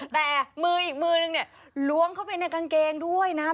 แต่มืออีกมือนึงเนี่ยล้วงเข้าไปในกางเกงด้วยนะ